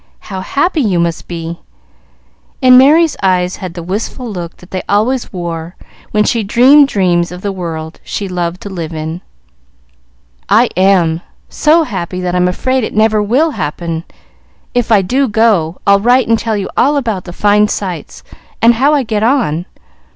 How happy you must be!" and Merry's eyes had the wistful look they always wore when she dreamed dreams of the world she loved to live in. "I am so happy that I'm afraid it never will happen. If I do go, I'll write and tell you all about the fine sights, and how I get on.